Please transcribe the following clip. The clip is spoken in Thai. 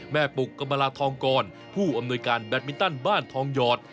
แม่ปุกกำลาดทองกรผู้อำนวยการแบดปินตั้นบ้านทองยอด